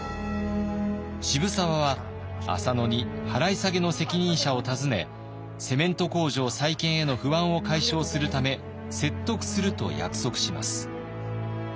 渋沢は浅野に払い下げの責任者を訪ねセメント工場再建への不安を解消するため説得すると約束します。